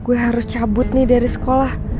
gue harus cabut nih dari sekolah